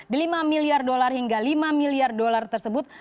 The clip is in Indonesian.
di lima miliar dolar hingga lima miliar dolar tersebut